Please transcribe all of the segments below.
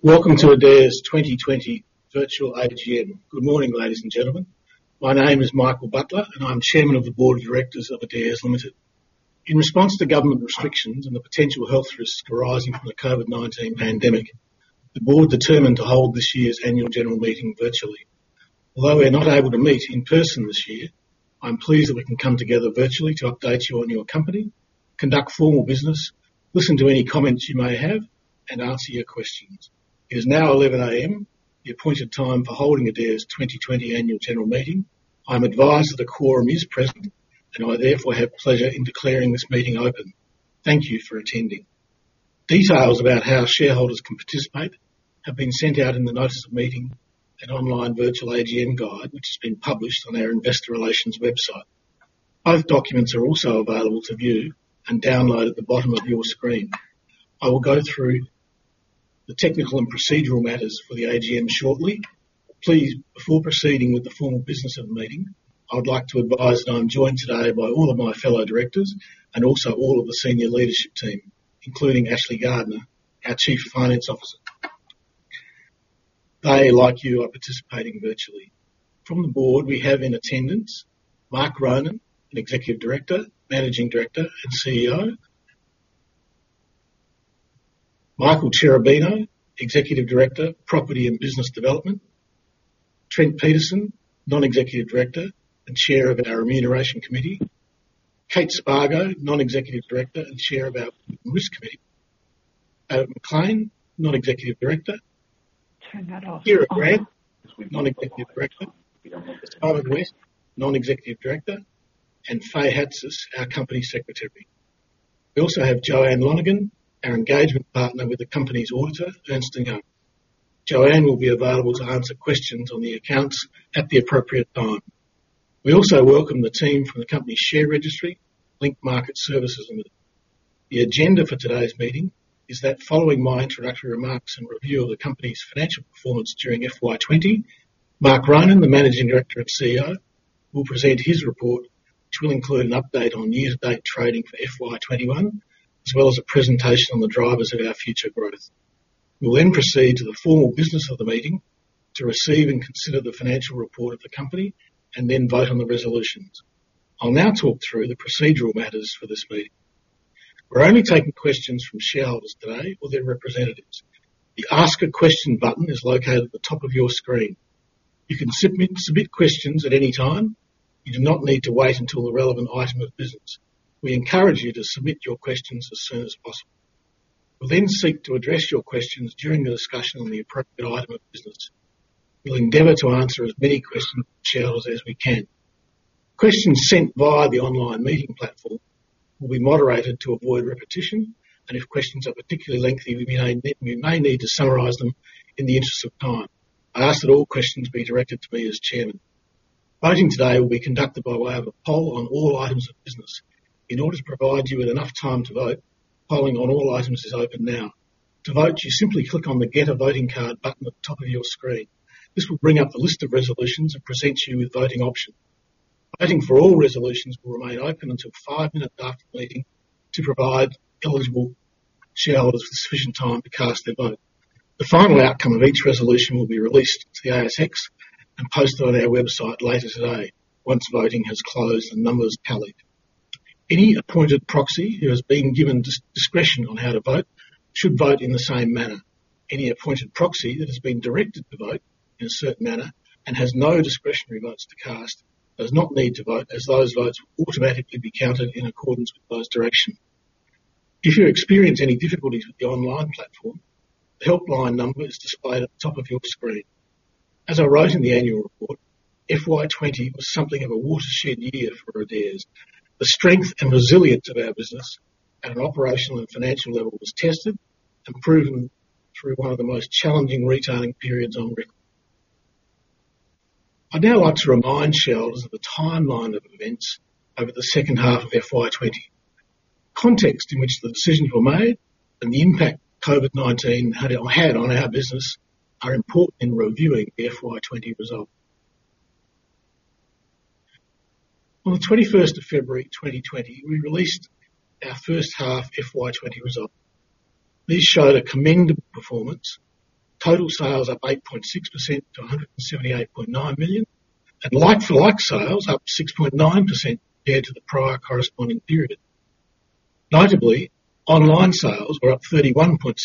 Welcome to Adairs' 2020 Virtual AGM. Good morning, ladies and gentlemen. My name is Michael Butler, and I'm Chairman of the Board of Directors of Adairs Limited. In response to government restrictions and the potential health risks arising from the COVID-19 pandemic, the Board determined to hold this year's Annual General Meeting virtually. Although we're not able to meet in person this year, I'm pleased that we can come together virtually to update you on your company, conduct formal business, listen to any comments you may have, and answer your questions. It is now 11:00 A.M., the appointed time for holding Adairs' 2020 Annual General Meeting. I'm advised that a quorum is present, and I therefore have pleasure in declaring this meeting open. Thank you for attending. Details about how shareholders can participate have been sent out in the notice of meeting, an online virtual AGM guide, which has been published on our Investor Relations website. Both documents are also available to view and download at the bottom of your screen. I will go through the technical and procedural matters for the AGM shortly. Please, before proceeding with the formal business of the meeting, I would like to advise that I am joined today by all of my fellow Directors and also all of the senior leadership team, including Ashley Gardner, our Chief Finance Officer. They, like you, are participating virtually. From the board, we have in attendance Mark Ronan, an Executive Director, Managing Director, and CEO. Michael Cherubino, Executive Director, Property and Business Development. Trent Peterson, Non-Executive Director and Chair of our Remuneration Committee. Kate Spargo, Non-Executive Director and Chair of our Risk Committee. David MacLean, Non-Executive Director. Turn that off. Kiera Grant, Non-Executive Director, Simon West, Non-Executive Director, and Fay Hatzis, our Company Secretary. We also have Joanne Lonergan, our engagement partner with the company's auditor, Ernst & Young. Joanne will be available to answer questions on the accounts at the appropriate time. We also welcome the team from the company share registry, Link Market Services. The agenda for today's meeting is that following my introductory remarks and review of the company's financial performance during FY 2020, Mark Ronan, the Managing Director and CEO, will present his report, which will include an update on year-to-date trading for FY 2021, as well as a presentation on the drivers of our future growth. We'll then proceed to the formal business of the meeting to receive and consider the financial report of the company and then vote on the resolutions. I'll now talk through the procedural matters for this meeting. We're only taking questions from shareholders today or their representatives. The Ask a Question button is located at the top of your screen. You can submit questions at any time. You do not need to wait until the relevant item of business. We encourage you to submit your questions as soon as possible. We'll then seek to address your questions during the discussion on the appropriate item of business. We'll endeavor to answer as many questions from shareholders as we can. Questions sent via the online meeting platform will be moderated to avoid repetition, and if questions are particularly lengthy, we may need to summarize them in the interest of time. I ask that all questions be directed to me as Chairman. Voting today will be conducted by way of a poll on all items of business. In order to provide you with enough time to vote, polling on all items is open now. To vote, you simply click on the Get a Voting Card button at the top of your screen. This will bring up a list of resolutions and present you with voting options. Voting for all resolutions will remain open until five minutes after the meeting to provide eligible shareholders with sufficient time to cast their vote. The final outcome of each resolution will be released to the ASX and posted on our website later today once voting has closed and numbers tallied. Any appointed proxy who has been given discretion on how to vote should vote in the same manner. Any appointed proxy that has been directed to vote in a certain manner and has no discretionary votes to cast does not need to vote, as those votes will automatically be counted in accordance with those directions. If you experience any difficulties with the online platform, the helpline number is displayed at the top of your screen. As I wrote in the annual report, FY 2020 was something of a watershed year for Adairs. The strength and resilience of our business at an operational and financial level was tested and proven through one of the most challenging retailing periods on record. I'd now like to remind shareholders of the timeline of events over the second half of FY 2020. The context in which the decisions were made and the impact COVID-19 had on our business are important in reviewing the FY 2020 result. On the 21st of February 2020, we released our first half FY 2020 result. These showed a commendable performance. Total sales up 8.6% to 178.9 million, and like-for-like sales up 6.9% compared to the prior corresponding period. Notably, online sales were up 31.6%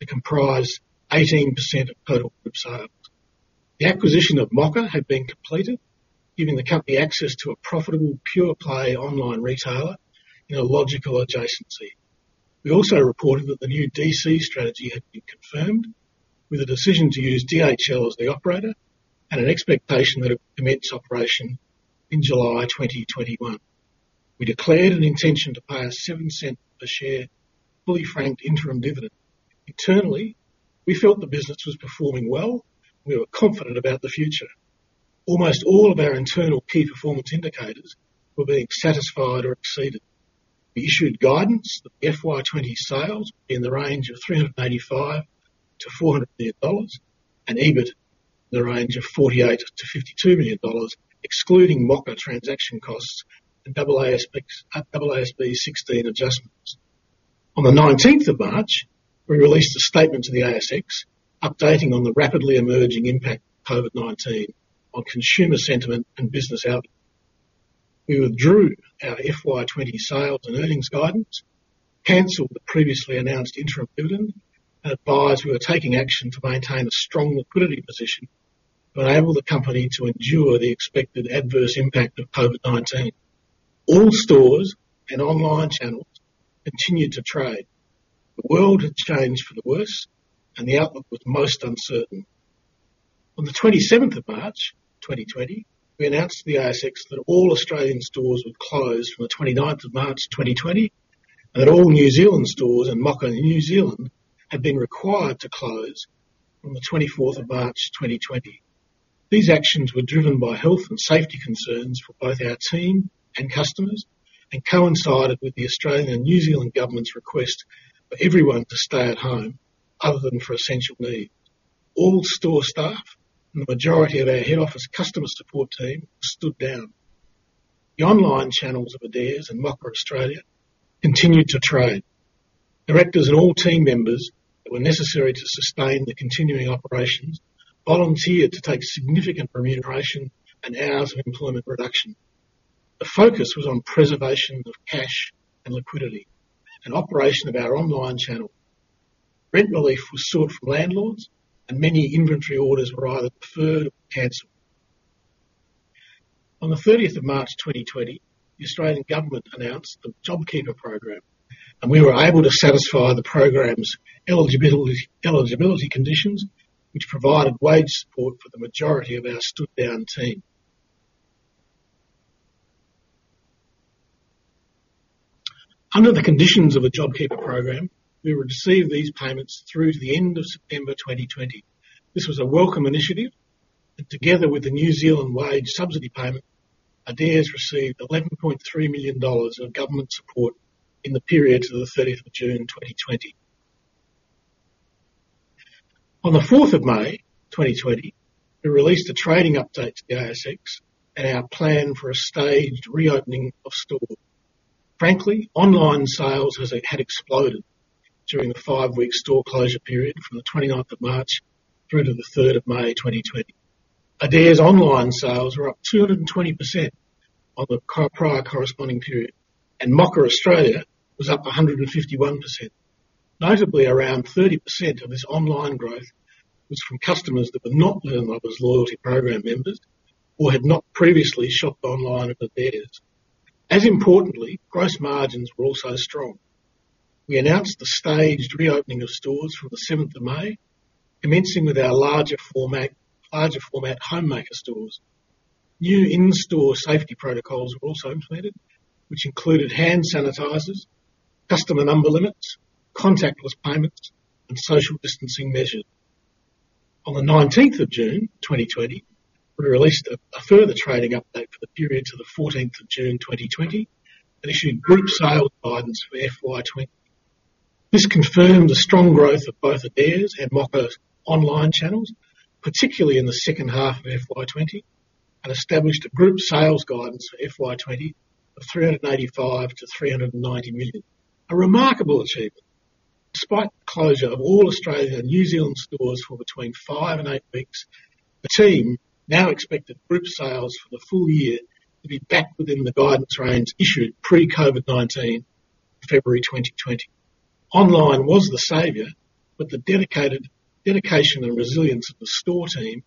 to comprise 18% of total group sales. The acquisition of Mocka had been completed, giving the company access to a profitable, pure-play online retailer in a logical adjacency. We also reported that the new DC strategy had been confirmed with a decision to use DHL as the operator and an expectation that it would commence operation in July 2021. We declared an intention to pay a 0.07 per share fully franked interim dividend. Internally, we felt the business was performing well. We were confident about the future. Almost all of our internal key performance indicators were being satisfied or exceeded. We issued guidance that FY 2020 sales be in the range of 385 million-400 million dollars and EBIT in the range of 48 million-52 million dollars, excluding Mocka transaction costs and AASB 16 adjustments. On the 19th of March, we released a statement to the ASX, updating on the rapidly emerging impact of COVID-19 on consumer sentiment and business output. We withdrew our FY 2020 sales and earnings guidance, canceled the previously announced interim dividend, and advised we were taking action to maintain a strong liquidity position to enable the company to endure the expected adverse impact of COVID-19. All stores and online channels continued to trade. The world had changed for the worse, and the outlook was most uncertain. On the 27th of March 2020, we announced to the ASX that all Australian stores would close from the 29th of March 2020, that all New Zealand stores and Mocka in New Zealand had been required to close on the 24th of March 2020. These actions were driven by health and safety concerns for both our team and customers and coincided with the Australian and New Zealand government's request for everyone to stay at home other than for essential needs. All store staff and the majority of our head office customer support team stood down. The online channels of Adairs and Mocka Australia continued to trade. Directors and all team members that were necessary to sustain the continuing operations volunteered to take significant remuneration and hours of employment reduction. The focus was on preservation of cash and liquidity and operation of our online channel. Rent relief was sought from landlords, and many inventory orders were either deferred or canceled. On the 30th of March 2020, the Australian government announced the JobKeeper program, and we were able to satisfy the program's eligibility conditions, which provided wage support for the majority of our stood-down team. Under the conditions of the JobKeeper program, we would receive these payments through to the end of September 2020. This was a welcome initiative, and together with the New Zealand Wage Subsidy payment, Adairs received 11.3 million dollars in government support in the period to the 30th of June 2020. On the 4th of May 2020, we released a trading update to the ASX and our plan for a staged reopening of stores. Frankly, online sales had exploded during the five-week store closure period from the 29th of March through to the 3rd of May 2020. Adairs online sales were up 220% on the prior corresponding period, and Mocka Australia was up 151%. Notably, around 30% of this online growth was from customers that were not Linen Lovers loyalty program members or had not previously shopped online at Adairs. As importantly, gross margins were also strong. We announced the staged reopening of stores from the 7th of May, commencing with our larger format Homemaker stores. New in-store safety protocols were also implemented, which included hand sanitizers, customer number limits, contactless payments, and social distancing measures. On the 19th of June 2020, we released a further trading update for the period to the 14th of June 2020 and issued group sales guidance for FY 2020. This confirmed the strong growth of both Adairs and Mocka's online channels, particularly in the second half of FY 2020, and established a group sales guidance for FY 2020 of 385 million-390 million. A remarkable achievement. Despite the closure of all Australian and New Zealand stores for between five and eight weeks, the team now expected group sales for the full year to be back within the guidance range issued pre-COVID-19 February 2020. Online was the savior, but the dedication and resilience of the store team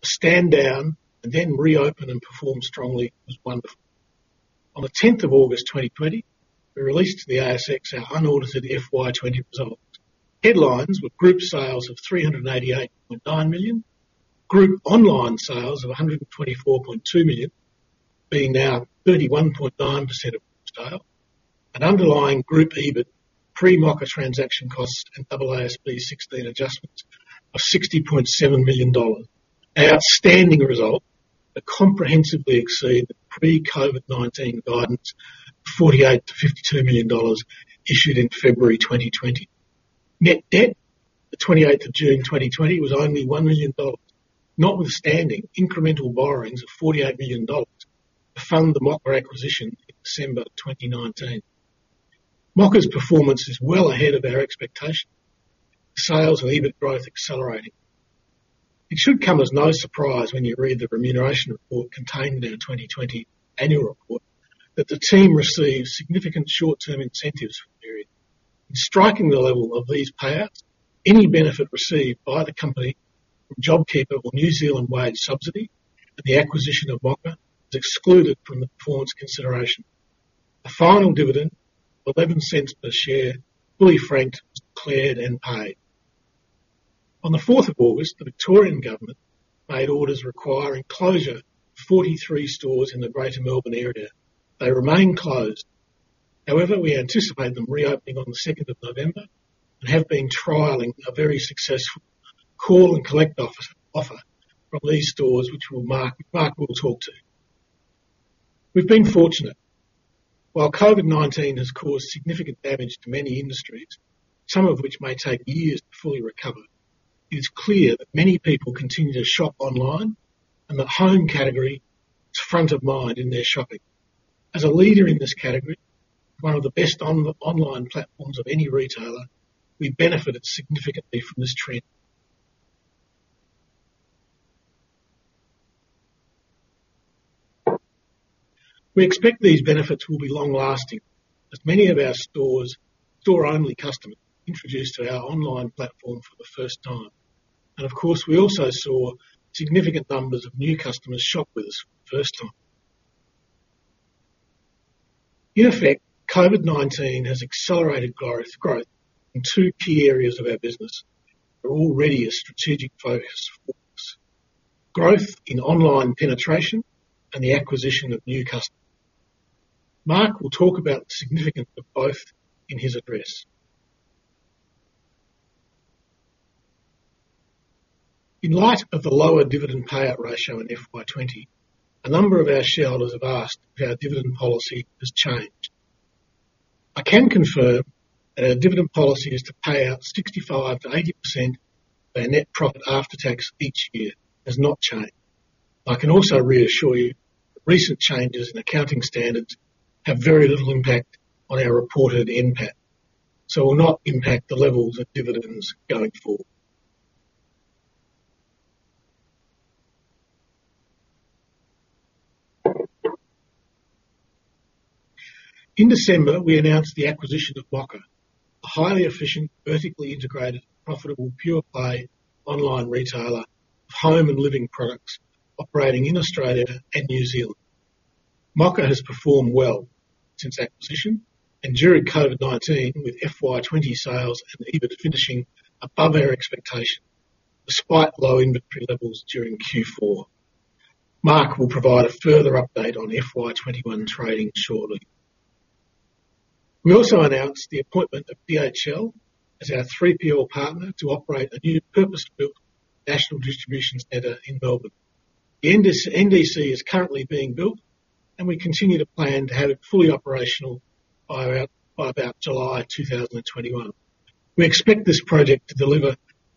to stand down and then reopen and perform strongly was wonderful. On the 10th of August 2020, we released to the ASX our unaudited FY20 results. Headlines were group sales of 388.9 million, group online sales of 124.2 million, being now 31.9% of group sale, and underlying group EBIT pre-Mocka transaction costs and AASB 16 adjustments of 60.7 million dollars. An outstanding result that comprehensively exceeded the pre-COVID-19 guidance of 48 million dollars to AUD 52 million issued in February 2020. Net debt at the 28th of June 2020 was only 1 million dollars, notwithstanding incremental borrowings of 48 million dollars to fund the Mocka acquisition in December 2019. Mocka's performance is well ahead of our expectation. Sales and EBIT growth accelerating. It should come as no surprise when you read the remuneration report contained in our 2020 Annual report that the team received significant short-term incentives for the period. In striking the level of these payouts, any benefit received by the company from JobKeeper or New Zealand Wage Subsidy and the acquisition of Mocka is excluded from the performance consideration. A final dividend of 0.11 per share, fully franked, was declared and paid. On the 4th of August, the Victorian government made orders requiring closure of 43 stores in the greater Melbourne area. They remain closed. However, we anticipate them reopening on the 2nd of November and have been trialing a very successful Call & Collect offer from these stores, which Mark will talk to. We've been fortunate. While COVID-19 has caused significant damage to many industries, some of which may take years to fully recover, it is clear that many people continue to shop online, and the home category is front of mind in their shopping. As a leader in this category, one of the best online platforms of any retailer, we benefited significantly from this trend. We expect these benefits will be long-lasting, as many of our store-only customers were introduced to our online platform for the first time. Of course, we also saw significant numbers of new customers shop with us for the first time. In effect, COVID-19 has accelerated growth in two key areas of our business, who are already a strategic focus for us. Growth in online penetration and the acquisition of new customers. Mark will talk about the significance of both in his address. In light of the lower dividend payout ratio in FY 2020, a number of our shareholders have asked if our dividend policy has changed. I can confirm that our dividend policy is to pay out 65% to 80% of our net profit after tax each year. It has not changed. I can also reassure you that recent changes in accounting standards have very little impact on our reported NPAT, so will not impact the levels of dividends going forward. In December, we announced the acquisition of Mocka, a highly efficient, vertically integrated, profitable, pure-play online retailer of home and living products operating in Australia and New Zealand. Mocka has performed well since acquisition and during COVID-19, with FY 2020 sales and EBIT finishing above our expectation, despite low inventory levels during Q4. Mark will provide a further update on FY 2021 trading shortly. We also announced the appointment of DHL as our 3PL partner to operate a new purpose-built national distribution center in Melbourne. The NDC is currently being built, and we continue to plan to have it fully operational by about July 2021. We expect this project to deliver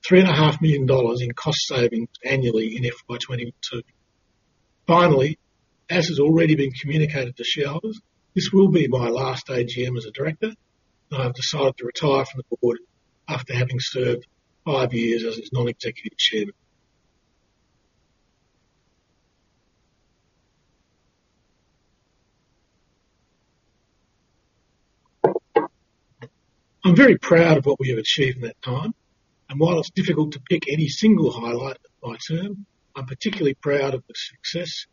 3.5 million dollars in cost savings annually in FY 2022. Finally, as has already been communicated to shareholders, this will be my last AGM as a Director, and I have decided to retire from the Board after having served five years as its Non-Executive Chairman. I'm very proud of what we have achieved in that time. While it's difficult to pick any single highlight of my term, I'm particularly proud of the success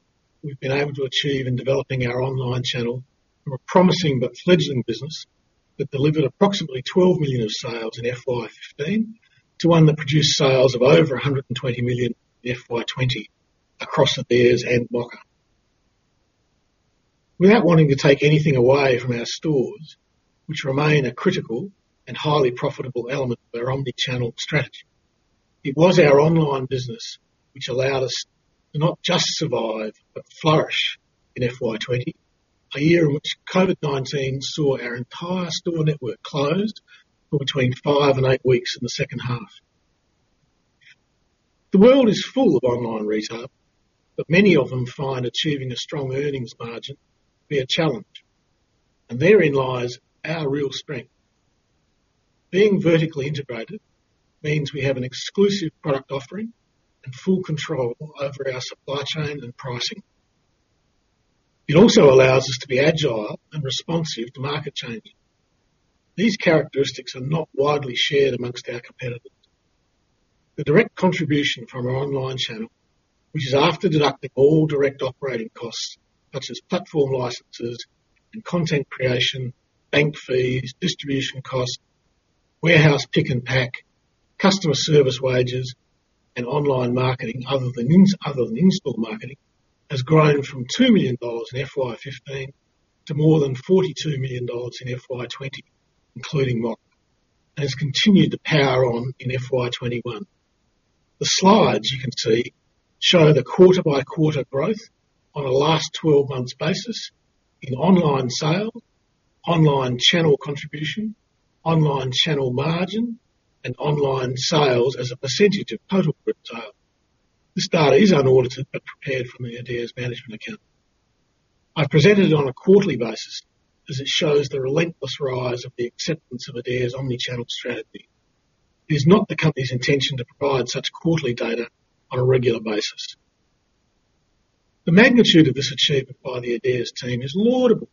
we've been able to achieve in developing our online channel from a promising but fledgling business that delivered approximately 12 million of sales in FY 2015 to one that produced sales of over 120 million in FY 2020 across Adairs and Mocka. Without wanting to take anything away from our stores, which remain a critical and highly profitable element of our omnichannel strategy, it was our online business which allowed us to not just survive, but flourish in FY 2020, a year in which COVID-19 saw our entire store network closed for between five and eight weeks in the second half. The world is full of online retail, but many of them find achieving a strong earnings margin to be a challenge, and therein lies our real strength. Being vertically integrated means we have an exclusive product offering and full control over our supply chain and pricing. It also allows us to be agile and responsive to market changes. These characteristics are not widely shared amongst our competitors. The direct contribution from our online channel, which is after deducting all direct operating costs such as platform licenses and content creation, bank fees, distribution costs, warehouse pick and pack, customer service wages, and online marketing other than in-store marketing, has grown from 2 million dollars in FY 2015 to more than 42 million dollars in FY 2020, including Mocka, and has continued to power on in FY 2021. The slides you can see show the quarter-by-quarter growth on a last 12 months basis in online sales, online channel contribution, online channel margin, and online sales as a percentage of total group sales. This data is unaudited but prepared from the Adairs management account. I've presented it on a quarterly basis as it shows the relentless rise of the acceptance of Adairs' omnichannel strategy. It is not the company's intention to provide such quarterly data on a regular basis. The magnitude of this achievement by the Adairs team is laudable.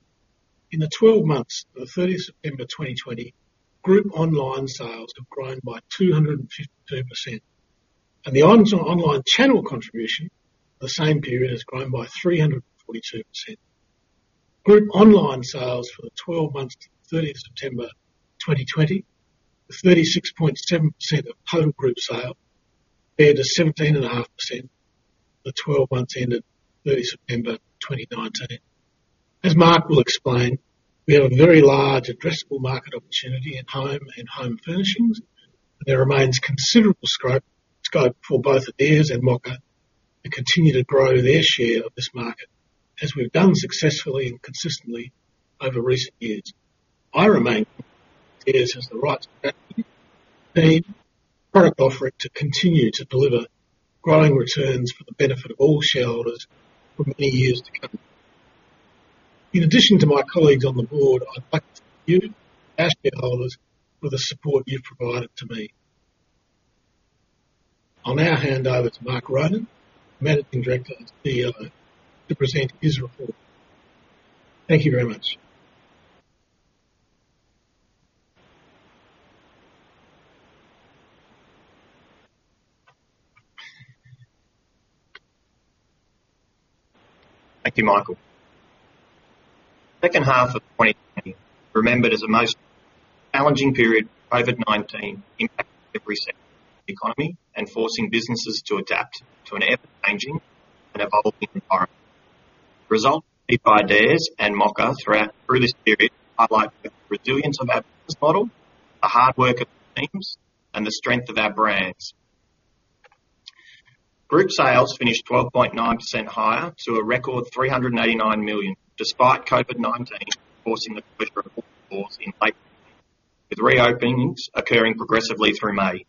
In the 12 months to the 30th September 2020, group online sales have grown by 252%, and the online channel contribution for the same period has grown by 342%. Group online sales for the 12 months to the 30th September 2020, were 36.7% of total group sales, compared to 17.5% for the 12 months ended 30 September 2019. As Mark will explain, we have a very large addressable market opportunity in home and home furnishings, and there remains considerable scope for both Adairs and Mocka to continue to grow their share of this market, as we've done successfully and consistently over recent years. I remain Adairs has the right product offering to continue to deliver growing returns for the benefit of all shareholders for many years to come. In addition to my colleagues on the board, I'd like to thank you, our shareholders, for the support you've provided to me. I'll now hand over to Mark Ronan, Managing Director and CEO, to present his report. Thank you very much. Thank you, Michael. Second half of 2020 will be remembered as the most challenging period as COVID-19 impacted every sector of the economy and forcing businesses to adapt to an ever-changing and evolving environment. The result of Adairs and Mocka through this period highlights the resilience of our business model, the hard work of our teams, and the strength of our brands. Group sales finished 12.9% higher to a record 389 million, despite COVID-19 forcing the closure of all stores in April, with reopenings occurring progressively through May.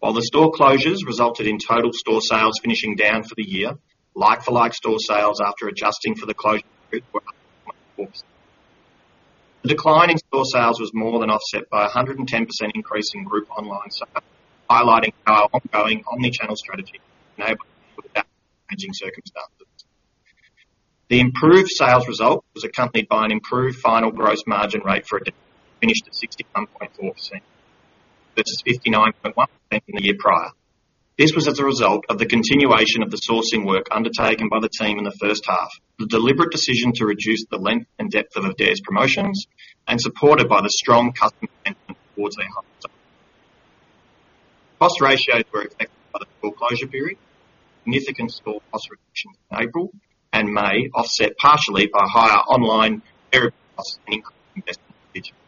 While the store closures resulted in total store sales finishing down for the year, like-for-like store sales after adjusting for the closures were up 0.4%. The decline in store sales was more than offset by 110% increase in group online sales, highlighting our ongoing omnichannel strategy enabling us to adapt to changing circumstances. The improved sales result was accompanied by an improved final gross margin rate for Adairs, finished at 61.4% versus 59.1% in the year prior. This was as a result of the continuation of the sourcing work undertaken by the team in the first half, the deliberate decision to reduce the length and depth of Adairs promotions, and supported by the strong customer retention towards our online sales. Cost ratios were affected by the store closure period, significant store cost reductions in April and May offset partially by higher online delivery costs and increased investment in digital.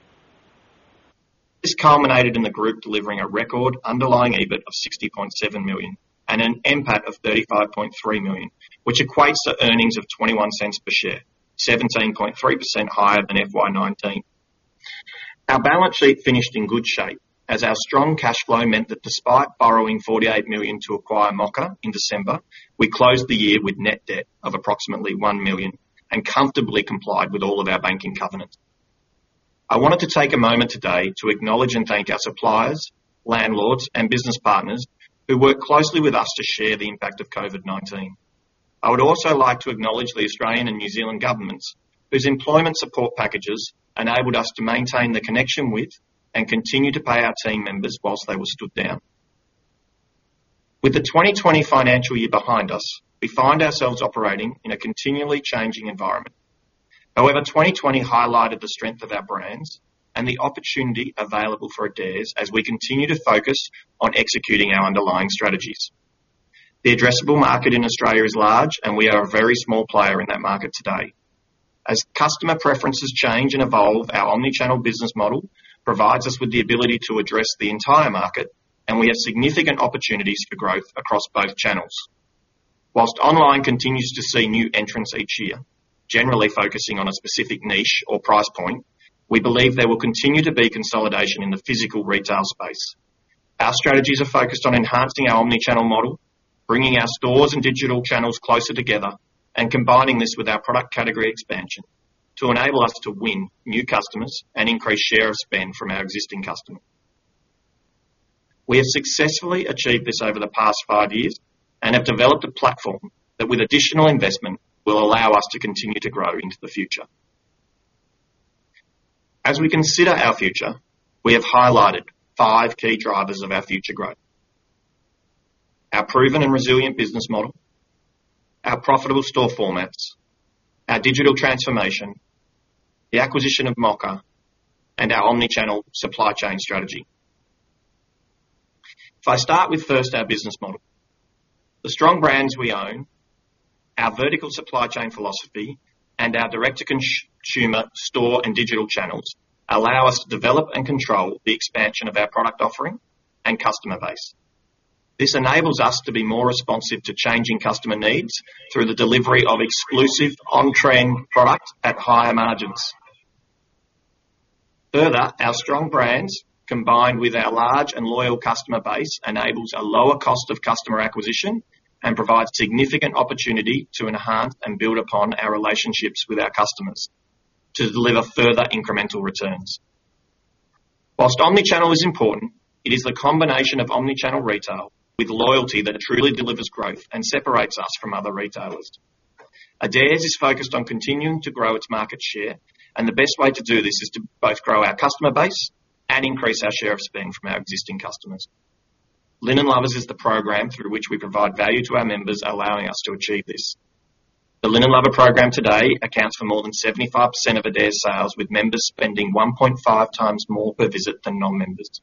This culminated in the group delivering a record underlying EBIT of 60.7 million and an NPAT of 35.3 million, which equates to earnings of 0.21 per share, 17.3% higher than FY 2019. Our balance sheet finished in good shape, as our strong cash flow meant that despite borrowing 48 million to acquire Mocka in December, we closed the year with net debt of approximately 1 million and comfortably complied with all of our banking covenants. I wanted to take a moment today to acknowledge and thank our suppliers, landlords, and business partners who work closely with us to share the impact of COVID-19. I would also like to acknowledge the Australian and New Zealand governments, whose employment support packages enabled us to maintain the connection with and continue to pay our team members whilst they were stood down. With the 2020 financial year behind us, we find ourselves operating in a continually changing environment. 2020 highlighted the strength of our brands and the opportunity available for Adairs as we continue to focus on executing our underlying strategies. The addressable market in Australia is large, and we are a very small player in that market today. As customer preferences change and evolve, our omnichannel business model provides us with the ability to address the entire market, and we have significant opportunities for growth across both channels. Whilst online continues to see new entrants each year, generally focusing on a specific niche or price point, we believe there will continue to be consolidation in the physical retail space. Our strategies are focused on enhancing our omni-channel model, bringing our stores and digital channels closer together, and combining this with our product category expansion to enable us to win new customers and increase share of spend from our existing customers. We have successfully achieved this over the past five years and have developed a platform that with additional investment, will allow us to continue to grow into the future. As we consider our future, we have highlighted five key drivers of our future growth. Our proven and resilient business model, our profitable store formats, our digital transformation, the acquisition of Mocka, and our omnichannel supply chain strategy. If I start with first our business model. The strong brands we own, our vertical supply chain philosophy, and our direct-to-consumer store and digital channels allow us to develop and control the expansion of our product offering and customer base. This enables us to be more responsive to changing customer needs through the delivery of exclusive on-trend product at higher margins. Further, our strong brands, combined with our large and loyal customer base, enables a lower cost of customer acquisition and provides significant opportunity to enhance and build upon our relationships with our customers to deliver further incremental returns. Whilst omnichannel is important, it is the combination of omni-channel retail with loyalty that truly delivers growth and separates us from other retailers. Adairs is focused on continuing to grow its market share, and the best way to do this is to both grow our customer base and increase our share of spend from our existing customers. Linen Lovers is the program through which we provide value to our members, allowing us to achieve this. The Linen Lover program today accounts for more than 75% of Adairs' sales, with members spending 1.5x more per visit than non-members.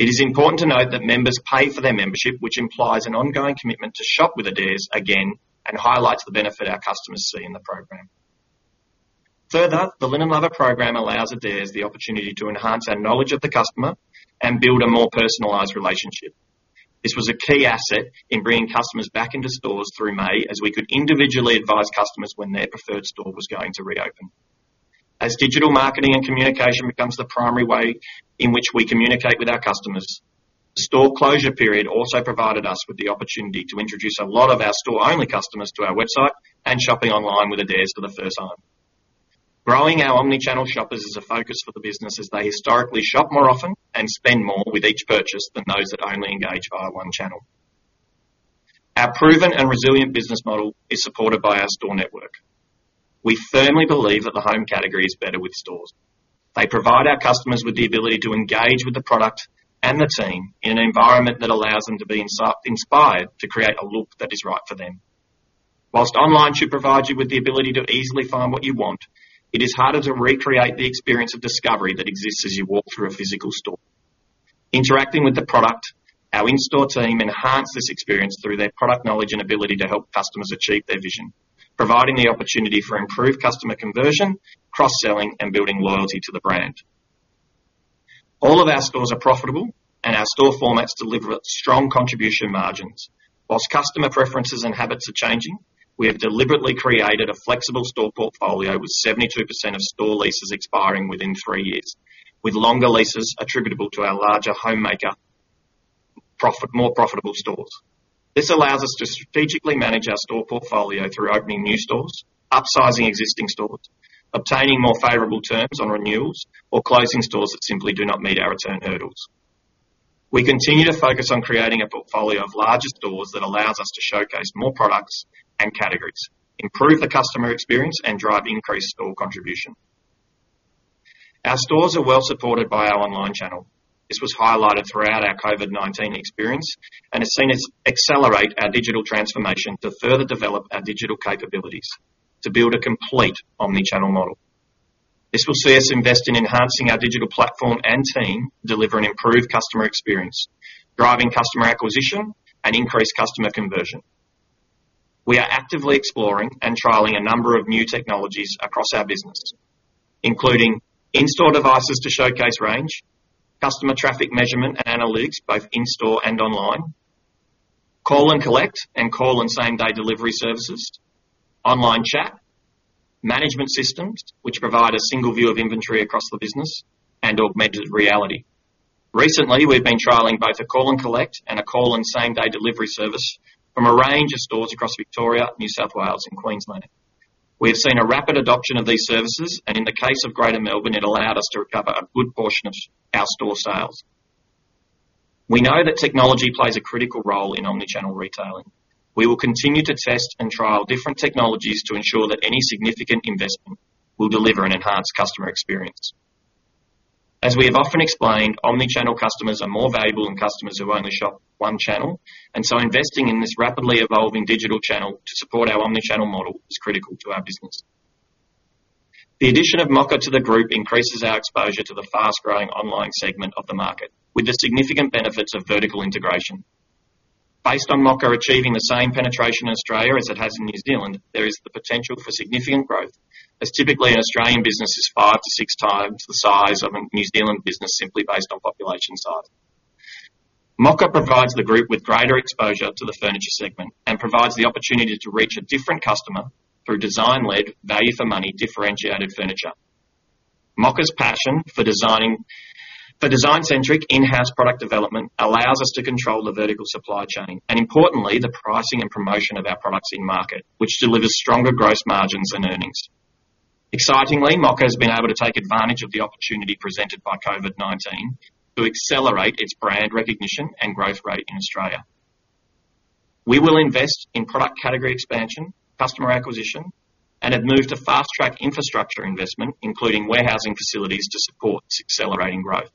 It is important to note that members pay for their membership, which implies an ongoing commitment to shop with Adairs again and highlights the benefit our customers see in the program. Further, the Linen Lover program allows Adairs the opportunity to enhance our knowledge of the customer and build a more personalized relationship. This was a key asset in bringing customers back into stores through May, as we could individually advise customers when their preferred store was going to reopen. As digital marketing and communication becomes the primary way in which we communicate with our customers, the store closure period also provided us with the opportunity to introduce a lot of our store-only customers to our website, and shopping online with Adairs for the first time. Growing our omnichannel shoppers is a focus for the business as they historically shop more often and spend more with each purchase than those that only engage via one channel. Our proven and resilient business model is supported by our store network. We firmly believe that the home category is better with stores. They provide our customers with the ability to engage with the product and the team in an environment that allows them to be inspired to create a look that is right for them. While online should provide you with the ability to easily find what you want, it is harder to recreate the experience of discovery that exists as you walk through a physical store. Interacting with the product, our in-store team enhance this experience through their product knowledge and ability to help customers achieve their vision, providing the opportunity for improved customer conversion, cross-selling, and building loyalty to the brand. All of our stores are profitable, and our store formats deliver strong contribution margins. While customer preferences and habits are changing, we have deliberately created a flexible store portfolio with 72% of store leases expiring within three years, with longer leases attributable to our larger homemaker more profitable stores. This allows us to strategically manage our store portfolio through opening new stores, upsizing existing stores, obtaining more favorable terms on renewals, or closing stores that simply do not meet our return hurdles. We continue to focus on creating a portfolio of larger stores that allows us to showcase more products and categories, improve the customer experience, and drive increased store contribution. Our stores are well-supported by our online channel. This was highlighted throughout our COVID-19 experience, and has seen us accelerate our digital transformation to further develop our digital capabilities to build a complete omnichannel model. This will see us invest in enhancing our digital platform and team deliver an improved customer experience, driving customer acquisition and increased customer conversion. We are actively exploring and trialing a number of new technologies across our business, including in-store devices to showcase range, customer traffic measurement and analytics, both in-store and online, Call & Collect, and Call & Same-Day Delivery services, online chat, management systems, which provide a single view of inventory across the business, and augmented reality. Recently, we've been trialing both a Call & Collect and a Call & Same-Day Delivery service from a range of stores across Victoria, New South Wales, and Queensland. We have seen a rapid adoption of these services, and in the case of Greater Melbourne, it allowed us to recover a good portion of our store sales. We know that technology plays a critical role in omnichannel retailing. We will continue to test and trial different technologies to ensure that any significant investment will deliver an enhanced customer experience. As we have often explained, omnichannel customers are more valuable than customers who only shop one channel, and so investing in this rapidly evolving digital channel to support our omni-channel model is critical to our business. The addition of Mocka to the group increases our exposure to the fast-growing online segment of the market, with the significant benefits of vertical integration. Based on Mocka achieving the same penetration in Australia as it has in New Zealand, there is the potential for significant growth, as typically, an Australian business is five to six times the size of a New Zealand business simply based on population size. Mocka provides the group with greater exposure to the furniture segment and provides the opportunity to reach a different customer through design-led value for money differentiated furniture. Mocka's passion for design-centric in-house product development allows us to control the vertical supply chain, and importantly, the pricing and promotion of our products in-market, which delivers stronger gross margins and earnings. Excitingly, Mocka has been able to take advantage of the opportunity presented by COVID-19 to accelerate its brand recognition and growth rate in Australia. We will invest in product category expansion, customer acquisition, and have moved to fast-track infrastructure investment, including warehousing facilities to support this accelerating growth.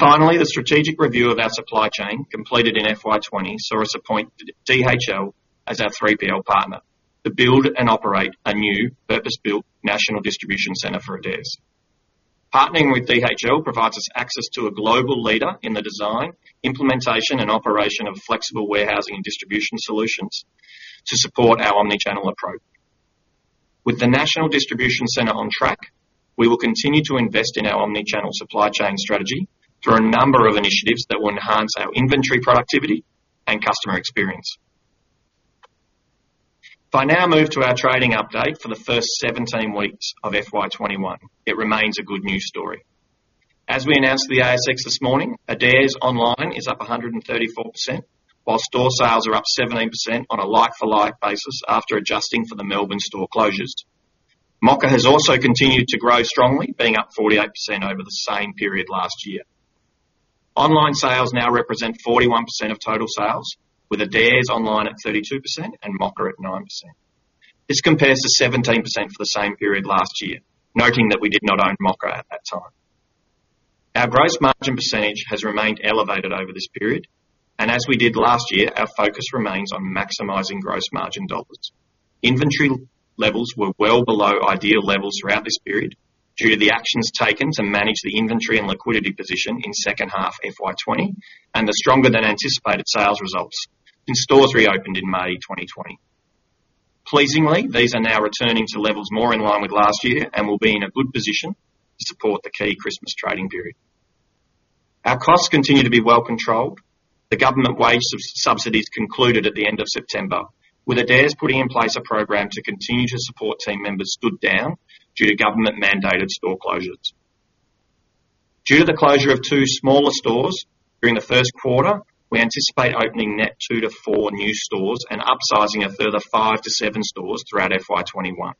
Finally, the strategic review of our supply chain, completed in FY 2020, saw us appoint DHL as our 3PL partner to build and operate a new purpose-built national distribution center for Adairs. Partnering with DHL provides us access to a global leader in the design, implementation, and operation of flexible warehousing and distribution solutions to support our omnichannel approach. With the national distribution center on track, we will continue to invest in our omnichannel supply chain strategy through a number of initiatives that will enhance our inventory productivity and customer experience. If I now move to our trading update for the first 17 weeks of FY 2021, it remains a good news story. As we announced to the ASX this morning, Adairs online is up 134%, while store sales are up 17% on a like-for-like basis after adjusting for the Melbourne store closures. Mocka has also continued to grow strongly, being up 48% over the same period last year. Online sales now represent 41% of total sales, with Adairs online at 32% and Mocka at 9%. This compares to 17% for the same period last year, noting that we did not own Mocka at that time. Our gross margin percentage has remained elevated over this period, and as we did last year, our focus remains on maximizing gross margin dollars. Inventory levels were well below ideal levels throughout this period, due to the actions taken to manage the inventory and liquidity position in second half FY 2020 and the stronger than anticipated sales results since stores reopened in May 2020. Pleasingly, these are now returning to levels more in line with last year and will be in a good position to support the key Christmas trading period. Our costs continue to be well controlled. The government wage subsidies concluded at the end of September, with Adairs putting in place a program to continue to support team members stood down due to government-mandated store closures. Due to the closure of two smaller stores during the first quarter, we anticipate opening net two to four new stores and upsizing a further five to seven stores throughout FY 2021.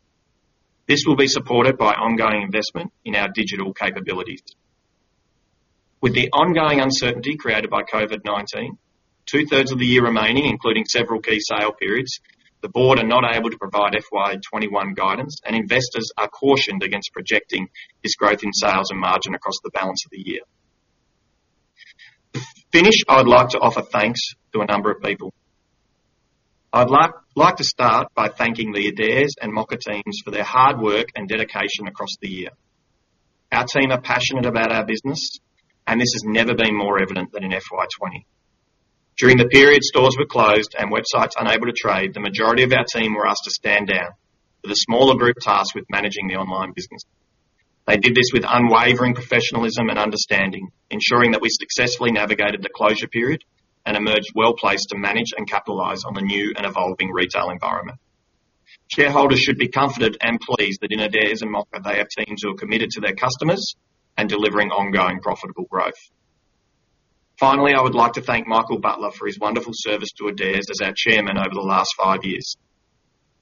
This will be supported by ongoing investment in our digital capabilities. With the ongoing uncertainty created by COVID-19, two-thirds of the year remaining, including several key sale periods, the Board are not able to provide FY 2021 guidance, and investors are cautioned against projecting this growth in sales and margin across the balance of the year. To finish, I would like to offer thanks to a number of people. I'd like to start by thanking the Adairs and Mocka teams for their hard work and dedication across the year. Our team are passionate about our business, and this has never been more evident than in FY 2020. During the period stores were closed and websites unable to trade, the majority of our team were asked to stand down with a smaller group tasked with managing the online business. They did this with unwavering professionalism and understanding, ensuring that we successfully navigated the closure period and emerged well-placed to manage and capitalize on the new and evolving retail environment. Shareholders should be confident and pleased that in Adairs and Mocka, they have teams who are committed to their customers and delivering ongoing profitable growth. Finally, I would like to thank Michael Butler for his wonderful service to Adairs as our Chairman over the last five years.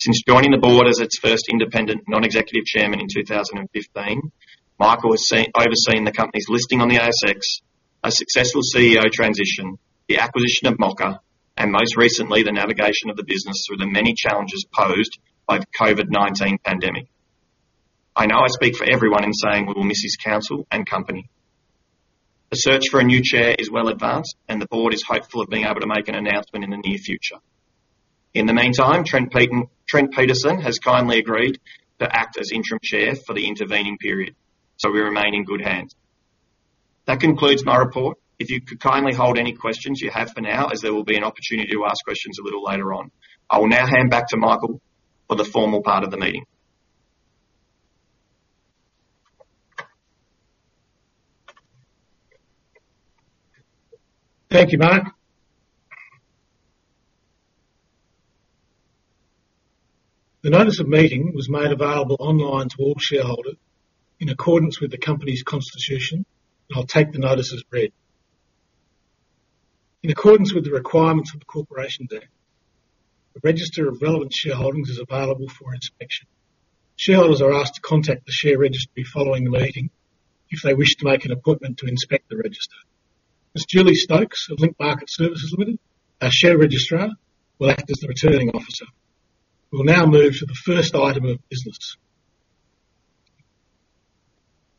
Since joining the Board as its first independent Non-Executive Chairman in 2015, Michael has overseen the company's listing on the ASX, a successful CEO transition, the acquisition of Mocka, and most recently, the navigation of the business through the many challenges posed by the COVID-19 pandemic. I know I speak for everyone in saying we will miss his counsel and company. The search for a new chair is well advanced, and the board is hopeful of being able to make an announcement in the near future. In the meantime, Trent Peterson has kindly agreed to act as Interim Chair for the intervening period, so we remain in good hands. That concludes my report. If you could kindly hold any questions you have for now, as there will be an opportunity to ask questions a little later on. I will now hand back to Michael for the formal part of the meeting. Thank you, Mark. The notice of meeting was made available online to all shareholders in accordance with the company's constitution, and I'll take the notice as read. In accordance with the requirements of the Corporations Act, the register of relevant shareholdings is available for inspection. Shareholders are asked to contact the share registry following the meeting if they wish to make an appointment to inspect the register. As Julie Stokes of Link Market Services Limited, our share registrar, will act as the returning officer. We will now move to the first item of business.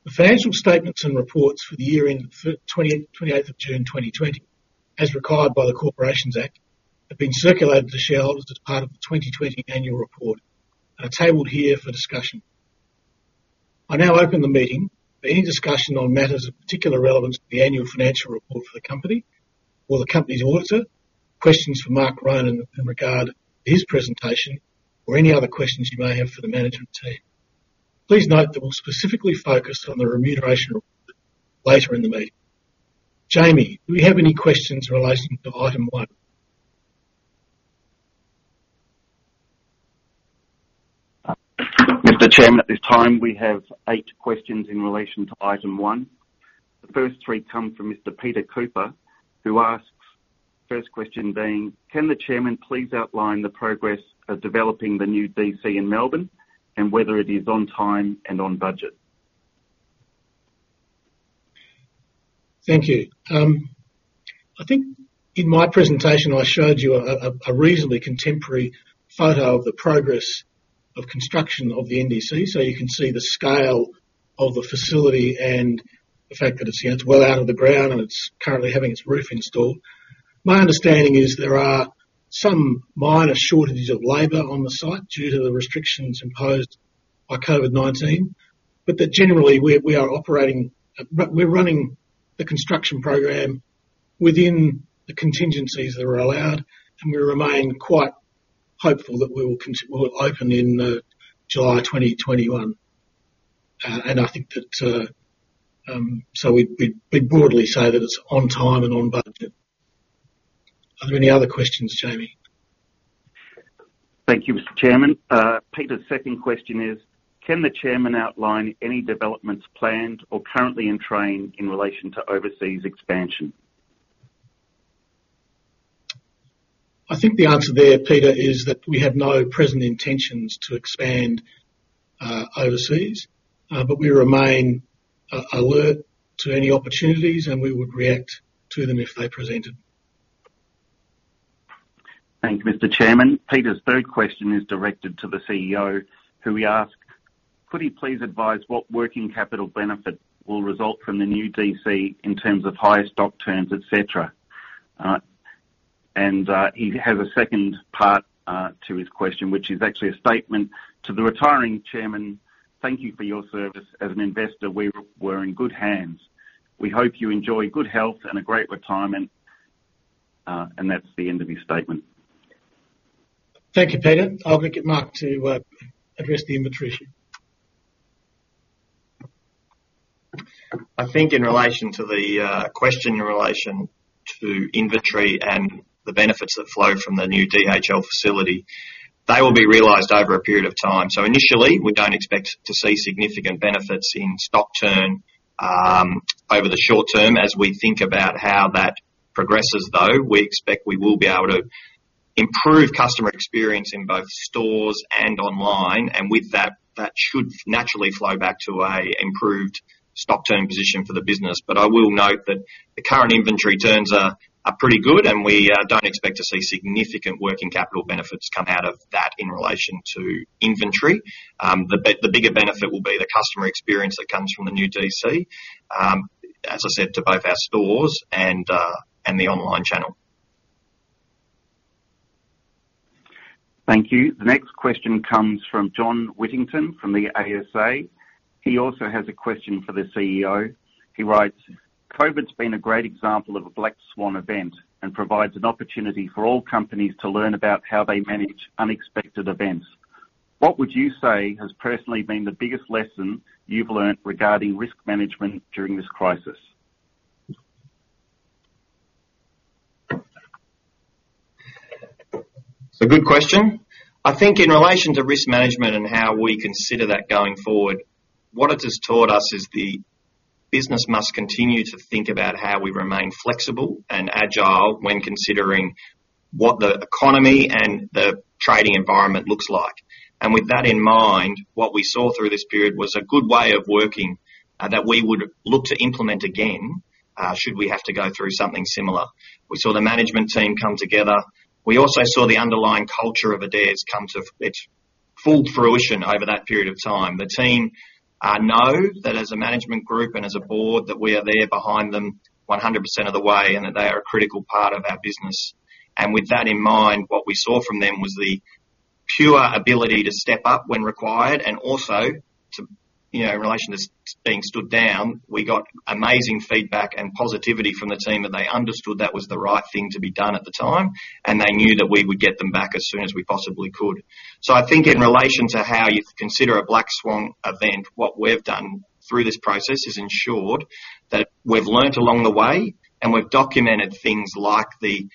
The financial statements and reports for the year end 28th of June 2020, as required by the Corporations Act, have been circulated to shareholders as part of the 2020 annual report and are tabled here for discussion. I now open the meeting for any discussion on matters of particular relevance to the annual financial report for the company or the company's auditor, questions for Mark Ronan in regard to his presentation or any other questions you may have for the management team. Please note that we'll specifically focus on the remuneration report later in the meeting. Jamie, do we have any questions in relation to item one? Mr. Chairman, at this time, we have eight questions in relation to item one. The first three come from Mr. Peter Cooper, who asks, first question being, can the Chairman please outline the progress of developing the new DC in Melbourne and whether it is on-time and on-budget? Thank you. I think in my presentation, I showed you a reasonably contemporary photo of the progress of construction of the NDC. You can see the scale of the facility and the fact that it's well out of the ground, and it's currently having its roof installed. My understanding is there are some minor shortages of labor on the site due to the restrictions imposed by COVID-19, but that generally we're running the construction program within the contingencies that are allowed, and we remain quite hopeful that we'll open in July 2021. We broadly say that it's on time and on budget. Are there any other questions, Jamie? Thank you, Mr. Chairman. Peter's second question is, can the Chairman outline any developments planned or currently in train in relation to overseas expansion? I think the answer there, Peter, is that we have no present intentions to expand overseas. We remain alert to any opportunities, and we would react to them if they presented. Thank you, Mr. Chairman. Peter's third question is directed to the CEO, who he asks, could he please advise what working capital benefit will result from the new DC in terms of higher stock turns, et cetera? He has a second part to his question, which is actually a statement to the retiring Chairman. Thank you for your service. As an investor, we were in good hands. We hope you enjoy good health and a great retirement. That's the end of his statement. Thank you, Peter. I'll get Mark to address the inventory issue. I think in relation to the question in relation to inventory and the benefits that flow from the new DHL facility, they will be realized over a period of time. Initially, we don't expect to see significant benefits in stock turn over the short term. As we think about how that progresses, though, we expect we will be able to improve customer experience in both stores and online, and with that should naturally flow back to an improved stock turn position for the business. I will note that the current inventory turns are pretty good, and we don't expect to see significant working capital benefits come out of that in relation to inventory. The bigger benefit will be the customer experience that comes from the new DC, as I said, to both our stores and the online channel. Thank you. The next question comes from John Whittington from the ASA. He also has a question for the CEO. He writes, COVID's been a great example of a black swan event and provides an opportunity for all companies to learn about how they manage unexpected events. What would you say has personally been the biggest lesson you've learned regarding risk management during this crisis? It's a good question. I think in relation to risk management and how we consider that going forward, what it has taught us is the business must continue to think about how we remain flexible and agile when considering what the economy and the trading environment looks like. With that in mind, what we saw through this period was a good way of working that we would look to implement again, should we have to go through something similar. We saw the management team come together. We also saw the underlying culture of Adairs come to its full fruition over that period of time. The team know that as a management group and as a board, that we are there behind them 100% of the way, and that they are a critical part of our business. With that in mind, what we saw from them was the pure ability to step up when required and also to, in relation to being stood down, we got amazing feedback and positivity from the team, and they understood that was the right thing to be done at the time, and they knew that we would get them back as soon as we possibly could. I think in relation to how you consider a black swan event, what we've done through this process has ensured that we've learnt along the way and we've documented things like the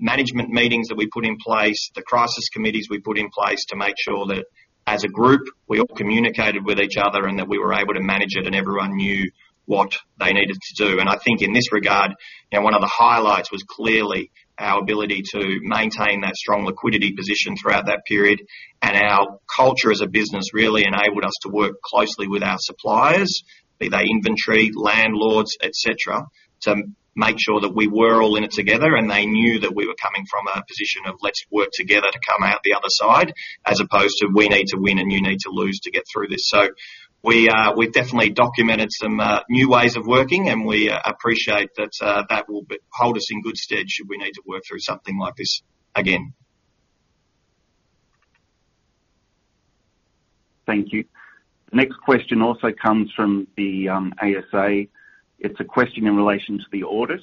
management meetings that we put in place, the crisis committees we put in place to make sure that as a group, we all communicated with each other and that we were able to manage it and everyone knew what they needed to do. I think in this regard, one of the highlights was clearly our ability to maintain that strong liquidity position throughout that period. Our culture as a business really enabled us to work closely with our suppliers, be they inventory, landlords, et cetera, to make sure that we were all in it together, and they knew that we were coming from a position of let's work together to come out the other side, as opposed to we need to win, and you need to lose to get through this. We've definitely documented some new ways of working, and we appreciate that that will hold us in good stead should we need to work through something like this again. Thank you. The next question also comes from the ASA. It's a question in relation to the audit.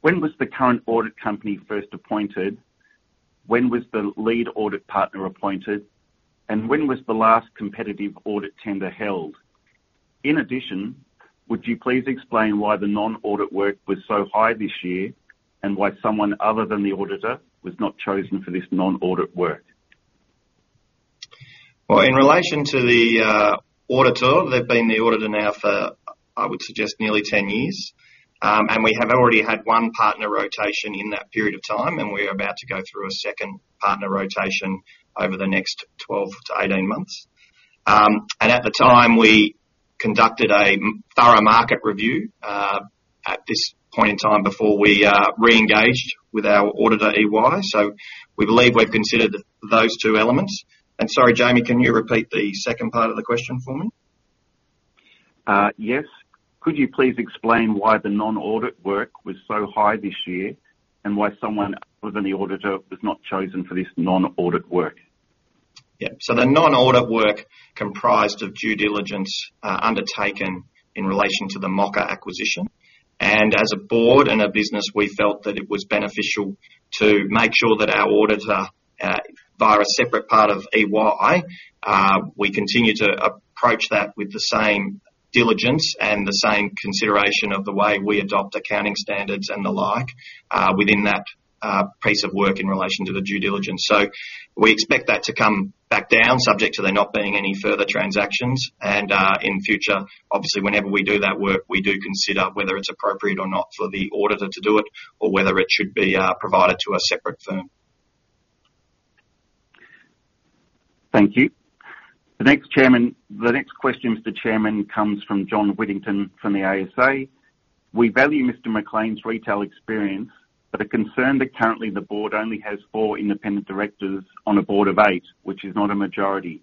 When was the current audit company first appointed? When was the lead audit partner appointed? When was the last competitive audit tender held? In addition, would you please explain why the non-audit work was so high this year and why someone other than the auditor was not chosen for this non-audit work? In relation to the auditor, they've been the auditor now for, I would suggest, nearly 10 years. We have already had one partner rotation in that period of time, and we are about to go through a second partner rotation over the next 12-18 months. At the time, we conducted a thorough market review at this point in time before we re-engaged with our auditor, EY. We believe we've considered those two elements. Sorry, Jamie, can you repeat the second part of the question for me? Yes. Could you please explain why the non-audit work was so high this year and why someone other than the auditor was not chosen for this non-audit work? The non-audit work comprised of due diligence undertaken in relation to the Mocka acquisition. As a Board and a business, we felt that it was beneficial to make sure that our auditor, via a separate part of EY, we continue to approach that with the same diligence and the same consideration of the way we adopt accounting standards and the like within that piece of work in relation to the due diligence. We expect that to come back down subject to there not being any further transactions. In future, obviously, whenever we do that work, we do consider whether it's appropriate or not for the auditor to do it or whether it should be provided to a separate firm. Thank you. The next question, Mr. Chairman, comes from John Whittington from the ASA. We value Mr. MacLean's retail experience, but are concerned that currently the Board only has four independent Directors on a board of eight, which is not a majority.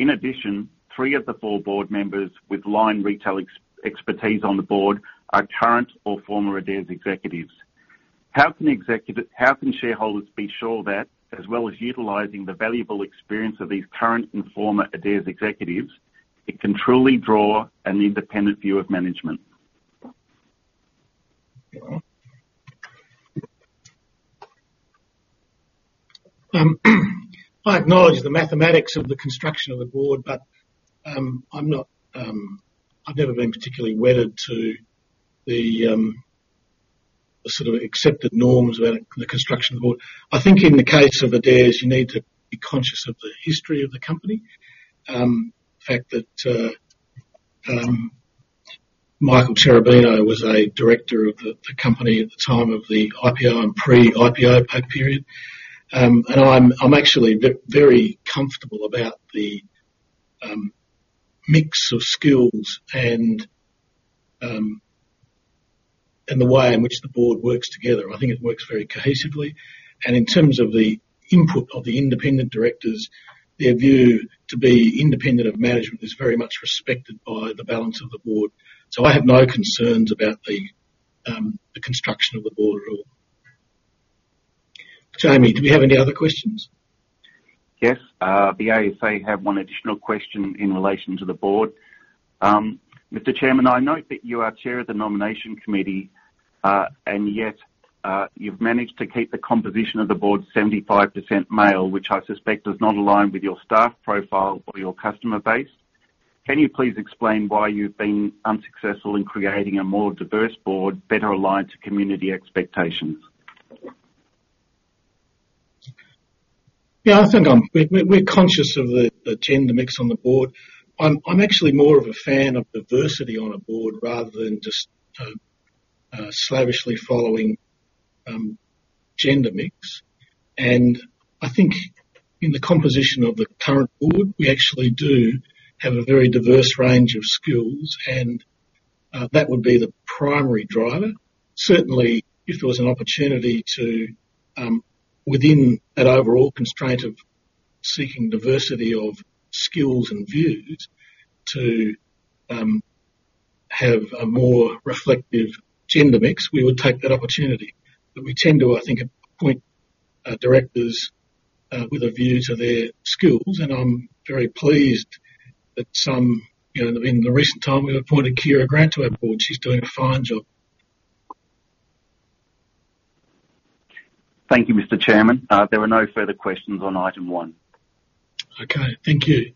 In addition, three of the four board members with line retail expertise on the board are current or former Adairs Executives. How can shareholders be sure that as well as utilizing the valuable experience of these current and former Adairs Executives, it can truly draw an independent view of management? I acknowledge the mathematics of the construction of the Board, but I've never been particularly wedded to the accepted norms about the construction of the Board. I think in the case of Adairs, you need to be conscious of the history of the company. The fact that Michael Cherubino was a Director of the company at the time of the IPO and pre-IPO period. I'm actually very comfortable about the mix of skills and the way in which the board works together. I think it works very cohesively. In terms of the input of the independent Directors, their view to be independent of management is very much respected by the balance of the Board. So I have no concerns about the construction of the Board at all. Jamie, do we have any other questions? Yes. The ASA have one additional question in relation to the board. Mr. Chairman, I note that you are Chair of the nomination committee, and yet, you've managed to keep the composition of the board 75% male, which I suspect does not align with your staff profile or your customer base. Can you please explain why you've been unsuccessful in creating a more diverse board better aligned to community expectations? Yeah, I think we're conscious of the gender mix on the Board. I'm actually more of a fan of diversity on a board rather than just slavishly following gender mix. I think in the composition of the current Board, we actually do have a very diverse range of skills, and that would be the primary driver. Certainly, if there was an opportunity to, within that overall constraint of seeking diversity of skills and views to have a more reflective gender mix, we would take that opportunity. We tend to, I think, appoint directors with a view to their skills, and I'm very pleased that in the recent time, we've appointed Kiera Grant to our Board. She's doing a fine job. Thank you, Mr. Chairman. There are no further questions on item one. Okay. Thank you.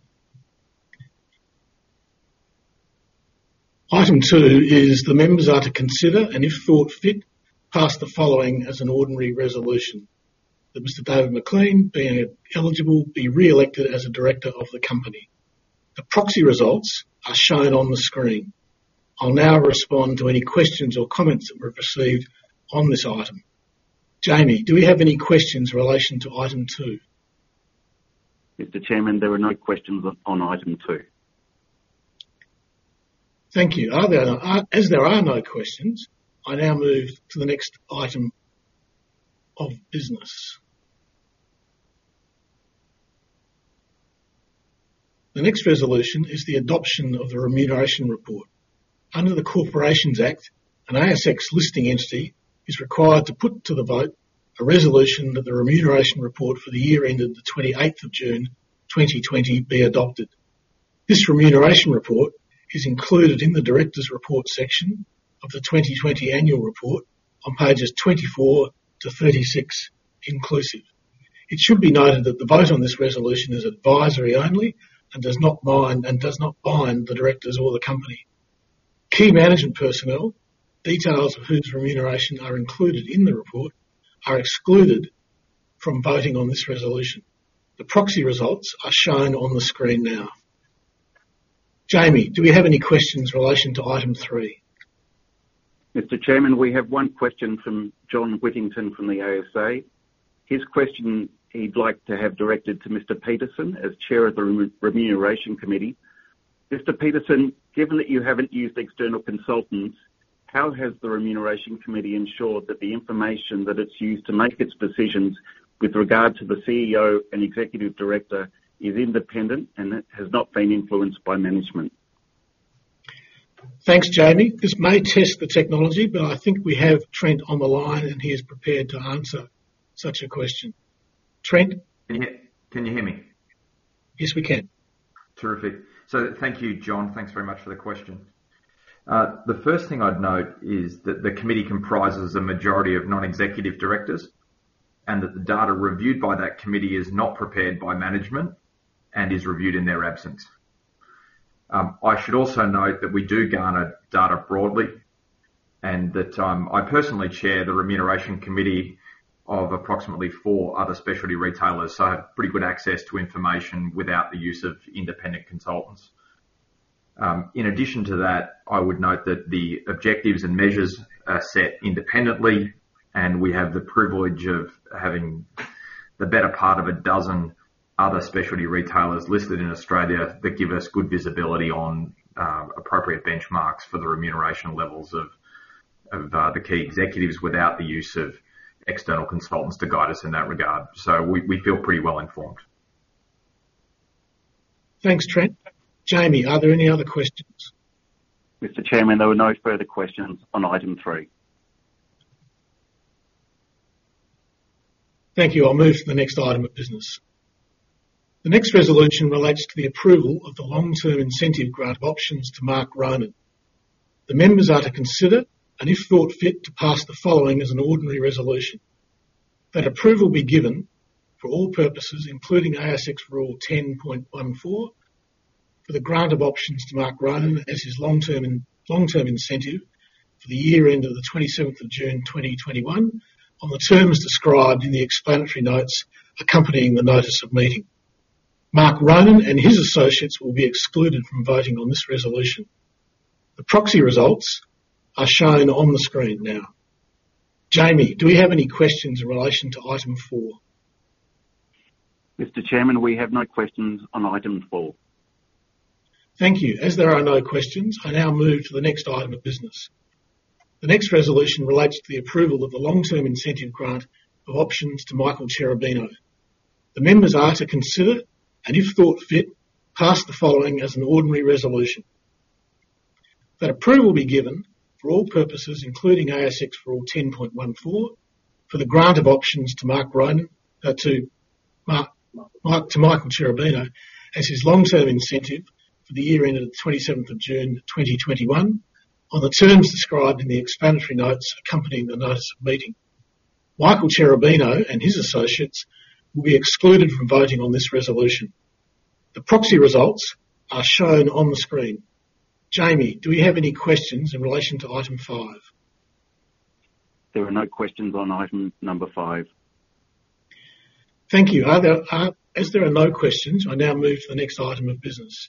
Item two is the members are to consider, and if thought fit, pass the following as an ordinary resolution. That Mr David MacLean, being eligible, be re-elected as a Director of the company. The proxy results are shown on the screen. I'll now respond to any questions or comments that were received on this item. Jamie, do we have any questions in relation to item two? Mr. Chairman, there are no questions on item two. Thank you. As there are no questions, I now move to the next item of business. The next resolution is the adoption of the Remuneration Report. Under the Corporations Act, an ASX listing entity is required to put to the vote a resolution that the Remuneration Report for the year ended the 28th of June 2020 be adopted. This Remuneration Report is included in the Directors report section of the 2020 annual report on pages 24 to 36 inclusive. It should be noted that the vote on this resolution is advisory only and does not bind the directors or the company. Key management personnel, details of whose remuneration are included in the report, are excluded from voting on this resolution. The proxy results are shown on the screen now. Jamie, do we have any questions in relation to item three? Mr. Chairman, we have one question from John Whittington from the ASA. His question he'd like to have directed to Mr. Peterson as Chair of the Remuneration Committee. Mr. Peterson, given that you haven't used external consultants, how has the Remuneration Committee ensured that the information that it's used to make its decisions with regard to the CEO and Executive Director is independent and has not been influenced by management? Thanks, Jamie. This may test the technology, but I think we have Trent on the line and he is prepared to answer such a question. Trent? Can you hear me? Yes, we can. Terrific. Thank you, John. Thanks very much for the question. The first thing I'd note is that the Committee comprises a majority of Non-Executive Directors, and that the data reviewed by that Committee is not prepared by management and is reviewed in their absence. I should also note that we do garner data broadly and that I personally chair the Remuneration Committee of approximately four other specialty retailers, so I have pretty good access to information without the use of independent consultants. In addition to that, I would note that the objectives and measures are set independently, and we have the privilege of having the better part of a dozen other specialty retailers listed in Australia that give us good visibility on appropriate benchmarks for the remuneration levels of the key executives without the use of external consultants to guide us in that regard. We feel pretty well informed. Thanks, Trent. Jamie, are there any other questions? Mr. Chairman, there were no further questions on item three. Thank you. I'll move to the next item of business. The next resolution relates to the approval of the long-term incentive grant of options to Mark Ronan. The members are to consider, and if thought fit, to pass the following as an ordinary resolution. That approval be given for all purposes, including ASX Rule 10.14, for the grant of options to Mark Ronan as his long-term incentive for the year end of the 27th of June 2021, on the terms described in the explanatory notes accompanying the notice of meeting. Mark Ronan and his associates will be excluded from voting on this resolution. The proxy results are shown on the screen now. Jamie, do we have any questions in relation to item four? Mr. Chairman, we have no questions on item four. Thank you. As there are no questions, I now move to the next item of business. The next resolution relates to the approval of the long-term incentive grant of options to Michael Cherubino. The members are to consider, and if thought fit, pass the following as an ordinary resolution. That approval be given for all purposes, including ASX Rule 10.14, for the grant of options to Michael Cherubino as his long-term incentive for the year end of the 27th of June 2021, on the terms described in the explanatory notes accompanying the notice of meeting. Michael Cherubino and his associates will be excluded from voting on this resolution. The proxy results are shown on the screen. Jamie, do we have any questions in relation to item five? There are no questions on item number five. Thank you. As there are no questions, I now move to the next item of business.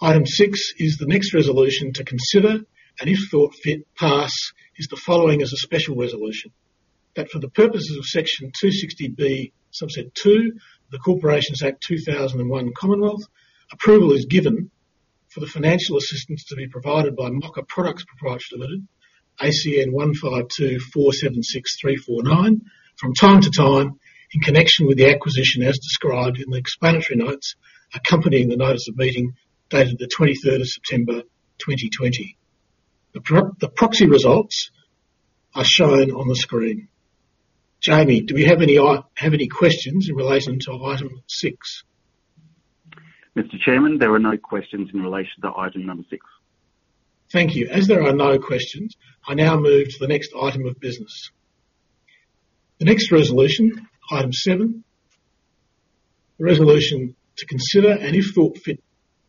Item six is the next resolution to consider, and if thought fit, pass is the following as a special resolution. That for the purposes of Section 260B(2) of the Corporations Act 2001 Commonwealth, approval is given for the financial assistance to be provided by Mocka Products Proprietary Limited, ACN 152-476-349, from time to time in connection with the acquisition as described in the explanatory notes accompanying the notice of meeting dated the 23rd of September 2020. The proxy results are shown on the screen. Jamie, do we have any questions in relation to item six? Mr. Chairman, there are no questions in relation to item number six. Thank you. As there are no questions, I now move to the next item of business. The next resolution, item seven. The resolution to consider, and if thought fit,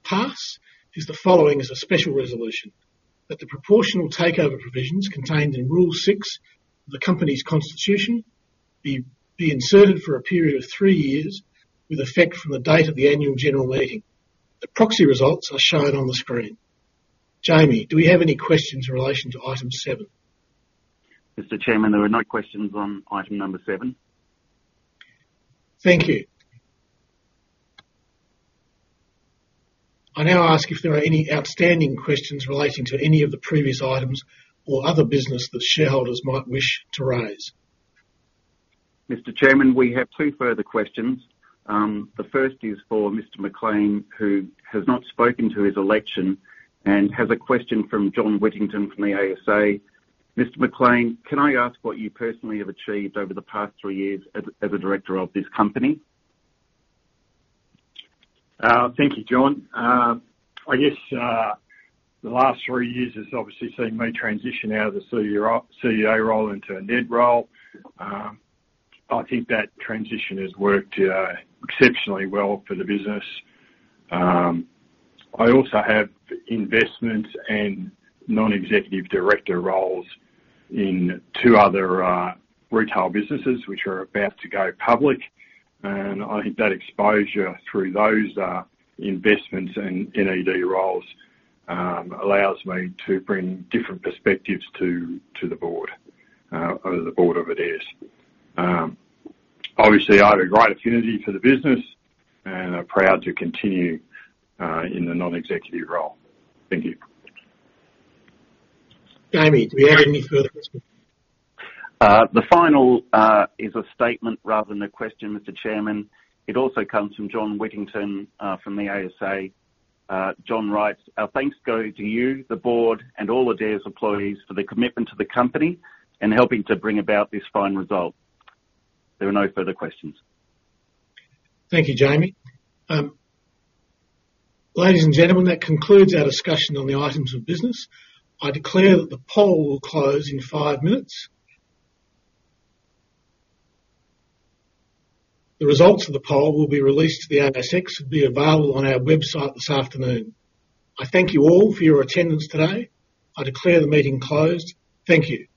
pass is the following as a special resolution. That the proportional takeover provisions contained in Rule 6 of the company's constitution be inserted for a period of three years with effect from the date of the Annual General Meeting. The proxy results are shown on the screen. Jamie, do we have any questions in relation to item seven? Mr. Chairman, there are no questions on item number seven. Thank you. I now ask if there are any outstanding questions relating to any of the previous items or other business that shareholders might wish to raise. Mr. Chairman, we have two further questions. The first is for Mr. MacLean, who has not spoken to his election and has a question from John Whittington from the ASA. Mr. MacLean, can I ask what you personally have achieved over the past three years as a Director of this company? Thank you, John. I guess, the last three years has obviously seen me transition out of the CEO role into a NED role. I think that transition has worked exceptionally well for the business. I also have investments and Non-Executive Director roles in two other retail businesses, which are about to go public. I think that exposure through those investments and NED roles allows me to bring different perspectives to the Board of Adairs. Obviously, I have a great affinity for the business and am proud to continue in the non-executive role. Thank you. Jamie, do we have any further questions? The final is a statement rather than a question, Mr. Chairman. It also comes from John Whittington from the ASA. John writes, our thanks go to you, the Board, and all Adairs employees for their commitment to the company and helping to bring about this fine result. There are no further questions. Thank you, Jamie. Ladies and gentlemen, that concludes our discussion on the items of business. I declare that the poll will close in five minutes. The results of the poll will be released to the ASX and be available on our website this afternoon. I thank you all for your attendance today. I declare the meeting closed. Thank you.